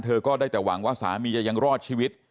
ก็ได้แต่หวังว่าสามีจะยังรอดชีวิต